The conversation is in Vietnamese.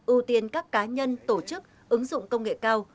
ưu tiên các cá nhân tổ chức ứng dụng công nghệ cao